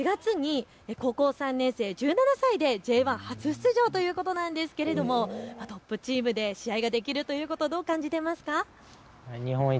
ことしの４月に高校３年生、１７歳でＪ１初出場ということなんですけれどトップチームで試合ができるということどう感じていますか。